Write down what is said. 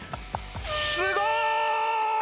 すごーい！